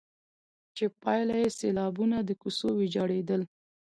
چي پايله يې سيلابونه، د کوڅو ويجاړېدل،